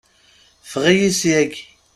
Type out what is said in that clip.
Ffeɣ-iyi syagi!